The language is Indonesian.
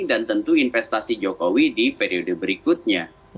dan tentu investasi jokowi di periode berikutnya